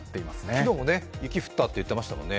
昨日も雪降ったと言ってましたもんね。